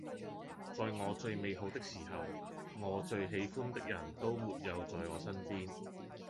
在我最美好的時候，我最喜歡的人都沒有在我身邊